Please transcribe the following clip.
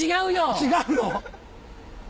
違うの？